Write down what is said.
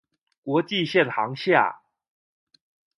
國際線航廈